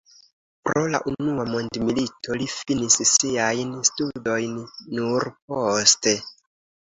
Pro la unua mondmilito li finis siajn studojn nur poste.